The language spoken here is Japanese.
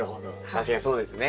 確かにそうですね。